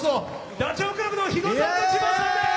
「ダチョウ倶楽部の肥後さんとジモンさんでーす！」